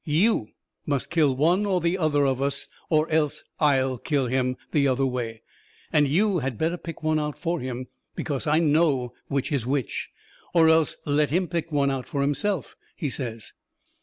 YOU must kill one or the other of us, or else I'LL kill HIM the other way. And YOU had better pick one out for him, because I know which is which. Or else let him pick one out for himself," he says.